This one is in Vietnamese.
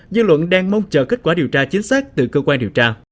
dư luận đang mong chờ kết quả điều tra chính xác từ cơ quan điều tra